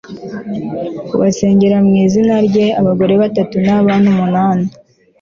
kubasengera mu izina rye, abagore be batatu n'abana umunani